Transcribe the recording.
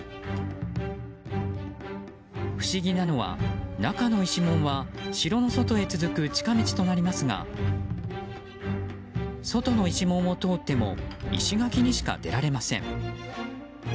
不思議なのは中之石門は城の外へ続く近道となりますが外之石門を通っても石垣にしか出られません。